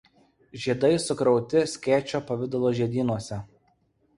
Žiedai sukrauti skėčio pavidalo žiedynuose.